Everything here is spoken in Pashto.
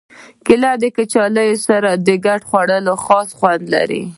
کېله د کچالو سره ګډ خوړل خاص خوند لري.